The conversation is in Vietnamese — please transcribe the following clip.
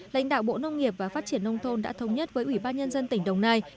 lãnh đạo bộ nông nghiệp và phát triển nông thôn đã thống nhất với ủy ban nhân dân tỉnh đồng nai